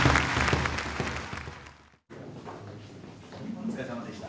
お疲れさまでした。